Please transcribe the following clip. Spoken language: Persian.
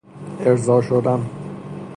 ارضاء شدن